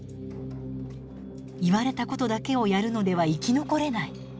言われたことだけをやるのでは生き残れない。